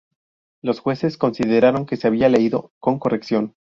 Los jueces consideraron que se había leído con corrección.